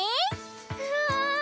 うわ！